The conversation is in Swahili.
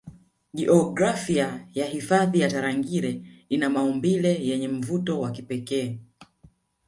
Jiografia ya hifadhi ya Tarangire ina maumbile yenye mvuto wa pekee